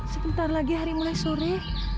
sebentar lagi hari mulai sore